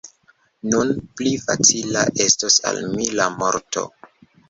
Nun pli facila estos al mi la morto!